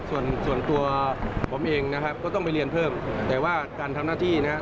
ส่วนส่วนตัวผมเองนะครับก็ต้องไปเรียนเพิ่มแต่ว่าการทำหน้าที่นะครับ